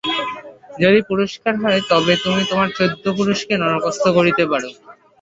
যদি দরকার হয় তবে তুমি তোমার চোদ্দ পুরুষকে নরকস্থ করিতে পার।